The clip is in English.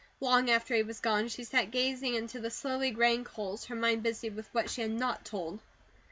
Long after he was gone, she sat gazing into the slowly graying coals, her mind busy with what she had NOT told.